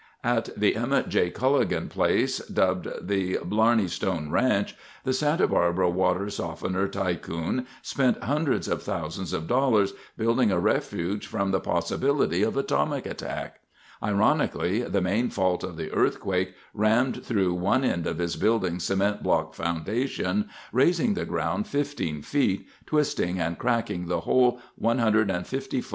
■ At the Emmett J. Culligan place, dubbed the "Blarneystone Ranch," the Santa Barbara water softener tycoon spent hundreds of thousands of dollars building a refuge from the possibility of atomic attack. Ironically, the main fault of the earthquake rammed through one end of his building's cement block foundation, raising the ground 15 ft., twisting and cracking the whole 150 ft.